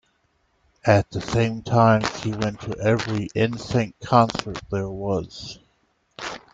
At the same time, she went to every 'N Sync concert there was.